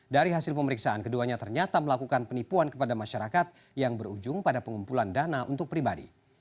dari hasil pemeriksaan keduanya ternyata melakukan penipuan kepada masyarakat yang berujung pada pengumpulan dana untuk pribadi